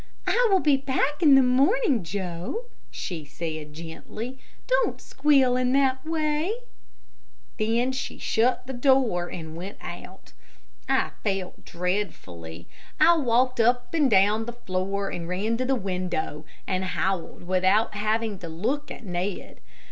"I will be back in the morning, Joe," she said, gently; "don't squeal in that way," Then she shut the door and went out. I felt dreadfully. I walked up and down the floor and ran to the window, and howled without having to look at Ned.